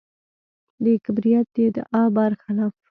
د کبریت د ادعا برخلاف.